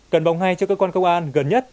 cần bóng hay cho cơ quan công an gần nhất